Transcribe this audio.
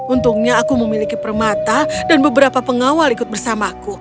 untungnya aku memiliki permata dan beberapa pengawal ikut bersamaku